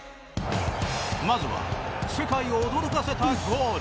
まずは世界を驚かせたゴール。